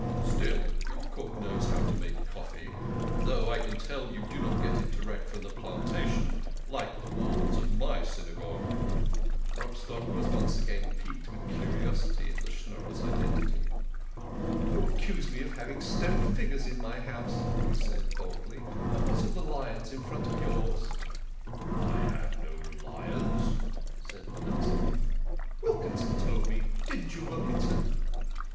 Still, your cook knows how to make coffee, though I can tell you do not get it direct from the plantation like the wardens of my Syna gogue." Grobstock was once again piqued with curiosity as to the Schnorrer' s identity. " You accuse me of having stone figures in my house," he said boldly, " but what about the lions in front of yours? "" I have no lions," said Manasseh. " Wilkinson told me so. Didn't you, Wilkinson